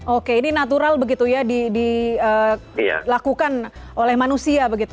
oke ini natural begitu ya dilakukan oleh manusia begitu